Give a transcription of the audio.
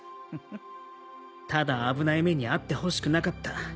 ただ危ない目に遭ってほしくなかった。